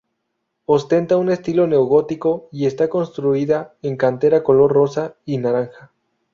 Ostenta un estilo neogótico y está construida en cantera color rosa y naranja.